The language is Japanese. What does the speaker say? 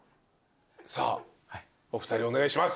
さあお二人お願いします。